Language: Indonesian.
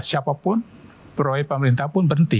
siapapun proyek pemerintah pun berhenti